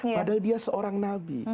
padahal dia seorang nabi